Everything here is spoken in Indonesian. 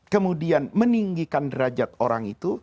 kemudian meninggikan derajat orang itu